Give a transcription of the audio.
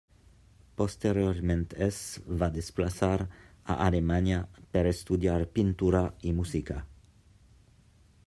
Posteriorment es va desplaçar a Alemanya per estudiar pintura i música.